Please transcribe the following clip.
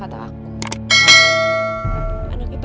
atau mungkin juga itu